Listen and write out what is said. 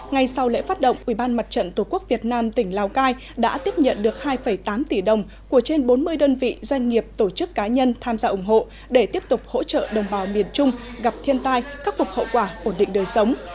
ngay sau lễ phát động ubnd tổ quốc việt nam tỉnh lào cai đã tiếp nhận được hai tám tỷ đồng của trên bốn mươi đơn vị doanh nghiệp tổ chức cá nhân tham gia ủng hộ để tiếp tục hỗ trợ đồng bào miền trung gặp thiên tai khắc phục hậu quả ổn định đời sống